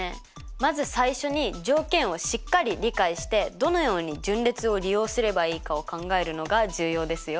まず最初に条件をしっかり理解してどのように順列を利用すればいいかを考えるのが重要ですよ。